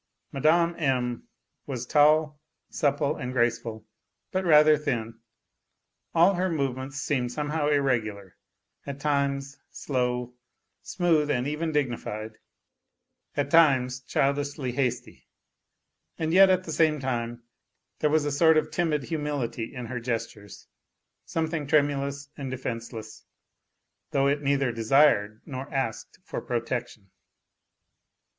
... Mme. M. was tall, supple and graceful, but rather thin. All her movements seemed somehow irregular, at times slow, smooth, and even dignified, at times childishly hasty; and yet, at the same time, there was a sort of timid humility in her gestures, something tremulous and defenceless, though it neither desired nor asked for protection.